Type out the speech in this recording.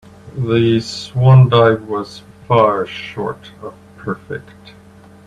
The swan dive was far short of perfect.